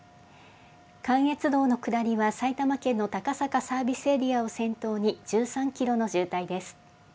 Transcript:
関越道の下りは、埼玉県の高坂サービスエリアを先頭に１３キロの渋滞です。